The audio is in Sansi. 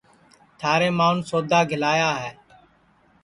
تھارے ماںٚون سودا گِھلایا ہے